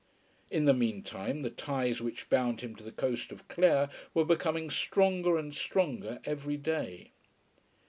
In the mean time the ties which bound him to the coast of Clare were becoming stronger and stronger every day.